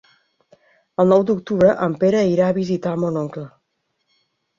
El nou d'octubre en Pere irà a visitar mon oncle.